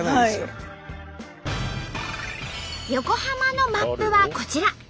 横浜のマップはこちら！